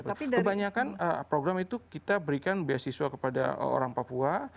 tapi kebanyakan program itu kita berikan beasiswa kepada orang papua